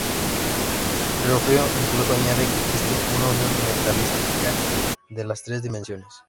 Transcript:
Riofrío incluso añade que existe una unión metafísica de las tres dimensiones.